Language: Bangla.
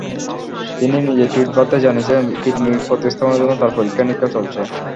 তিনি নিজেই টুইট বার্তায় জানিয়েছিলেন, কিডনি প্রতিস্থাপনের জন্য তাঁর পরীক্ষা-নিরীক্ষা চলছে।